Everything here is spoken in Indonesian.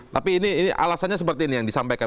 tapi ini alasannya seperti ini yang disampaikan